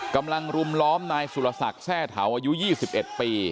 รุมล้อมนายสุรศักดิ์แทร่เถาอายุ๒๑ปี